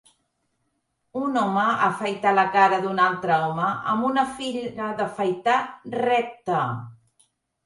Un home afaita la cara d'un altre home amb una filla d'afaitar recta.